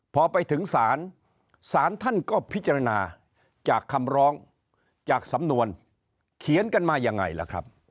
พอไปถึงศาลศาลท่านก็พิจารณาจากคำร้องจากสำนวนเขียนกันมายังไงล่ะครับ